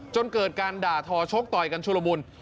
จนเกิดการด่าทอชกต่อยกันชุลมุน